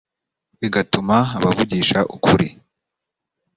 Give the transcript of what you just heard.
bigatuma abavugisha ukuri